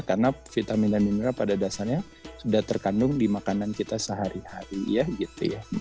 karena vitamin dan mineral pada dasarnya sudah terkandung di makanan kita sehari hari ya gitu ya